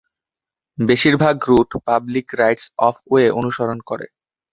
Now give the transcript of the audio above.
বেশিরভাগ route public rights of way অনুসরণ করে।